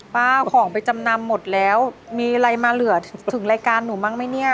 ของไปจำนำหมดแล้วมีอะไรมาเหลือถึงรายการหนูบ้างไหมเนี่ย